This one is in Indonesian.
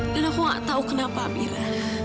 dan aku nggak tahu kenapa hamira